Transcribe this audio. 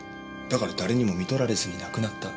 だから誰にもみとられずに亡くなった。